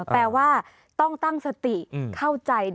แปลว่าต้องตั้งสติเข้าใจ